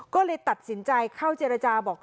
ก็เลยตัดสินใจเข้าเจรจาบอก